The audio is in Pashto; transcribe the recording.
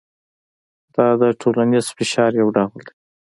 دا د ټولنیز فشار یو ډول دی.